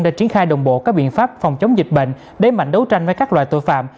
đã triển khai đồng bộ các biện pháp phòng chống dịch bệnh đẩy mạnh đấu tranh với các loại tội phạm